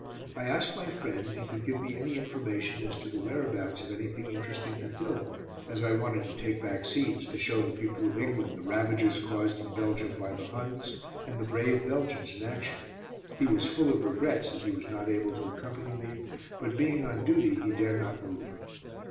I asked my friend if he could give me any information as to the whereabouts of anything interesting to film, as I wanted to take back scenes to show the people of England the ravages caused in Belgium by the Huns, and the brave Belgians in action. He was full of regrets that he was not able to accompany me, but being on duty he dare not move.